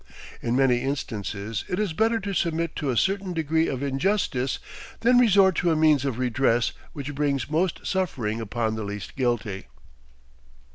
In many instances it is better to submit to a certain degree of injustice than resort to a means of redress which brings most suffering upon the least guilty.